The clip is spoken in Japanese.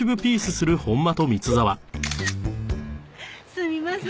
すみません。